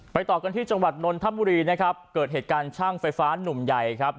ต่อกันที่จังหวัดนนทบุรีนะครับเกิดเหตุการณ์ช่างไฟฟ้าหนุ่มใหญ่ครับ